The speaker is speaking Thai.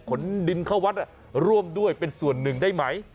ขนดินเข้าวัดร่วมด้วยเป็นส่วนหนึ่งได้ไหม